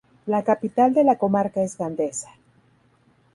La capital de la comarca es Gandesa.